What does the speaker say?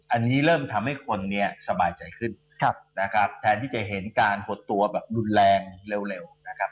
อันนี้เริ่มทำให้คนเนี่ยสบายใจขึ้นนะครับแทนที่จะเห็นการหดตัวแบบรุนแรงเร็วนะครับ